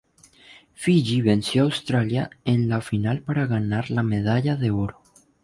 Fiyi venció a Australia en la final para ganar la medalla de oro.